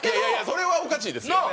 それはおかしいですよ。なあ？